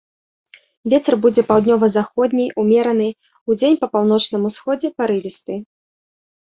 Вецер будзе паўднёва-заходні, умераны, удзень па паўночным усходзе парывісты.